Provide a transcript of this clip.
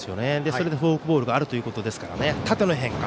それでフォークボールがあるということですから縦の変化